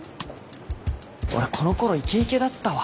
俺このころイケイケだったわ。